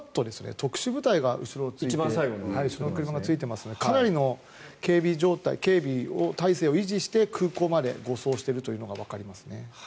特殊部隊が一番後ろについてかなりの警備態勢を維持して空港まで護送しているのがわかりますね。